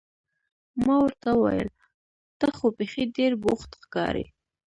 ما ورته وویل: ته خو بیخي ډېر بوخت ښکارې.